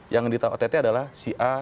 yang ditata ott adalah si a